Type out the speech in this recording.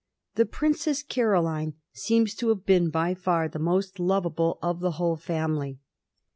The Princess Caroline seems to have been by far the most lovable of the whole family.